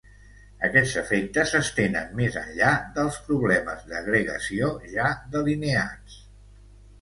Aquests efectes s'estenen més enllà dels problemes d'agregació ja delineats.